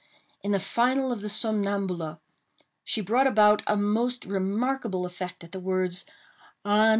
In the final of the Somnambula, she brought about a most remarkable effect at the words: Ah!